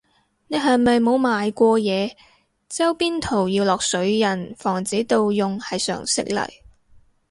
你係咪冇賣過嘢，周邊圖要落水印防止盜用係常識嚟